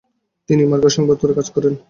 তিনি মার্কারি সংবাদপত্রে কাজ করেন।